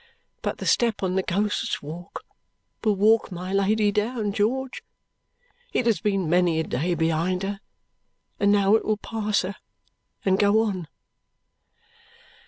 But the step on the Ghost's Walk will walk my Lady down, George; it has been many a day behind her, and now it will pass her and go on."